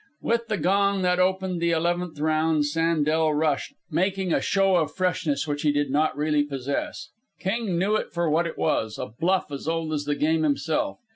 With the gong that opened the eleventh round, Sandel rushed, making a show of freshness which he did not really possess. King knew it for what it was a bluff as old as the game itself.